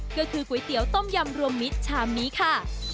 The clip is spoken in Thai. ก็คือก๋วยเตี๋ยวต้มยำรวมมิตรชามนี้ค่ะ